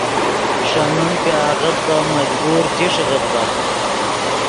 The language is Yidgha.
ݰے من کہ آغت ڤے مجبور چی ݰیغیت ڤے